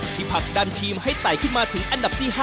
ผลักดันทีมให้ไต่ขึ้นมาถึงอันดับที่๕